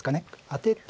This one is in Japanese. アテて。